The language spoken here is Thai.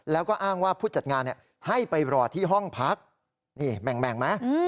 แล้วก็อ้างว่าผู้จัดงานให้ไปรอที่ห้องพักนี่แม่งไหม